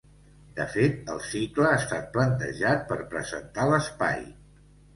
De fet, el cicle ha estat plantejat per presentar l’espai.